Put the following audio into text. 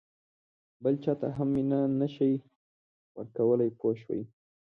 بل چاته هم مینه نه شې ورکولای پوه شوې!.